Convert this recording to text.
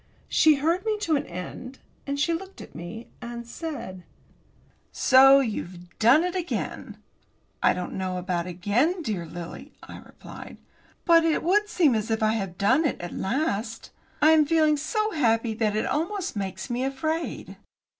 She heard me to an end, and she looked at me, and said: "So you've done it again." "I don't know about again, dear Lily," I replied. "But it would seem as if I had done it at last. I am feeling so happy that it almost makes me afraid."